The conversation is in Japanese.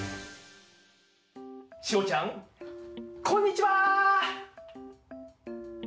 ちおちゃんこんにちは！